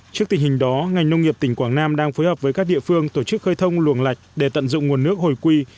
trước tình hình đó ngành nông nghiệp tỉnh quảng nam đang phối hợp với các địa phương tổ chức khơi thông luồng lạch để tận dụng nguồn nước hồi quy